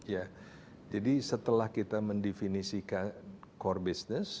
ya jadi setelah kita mendefinisikan core business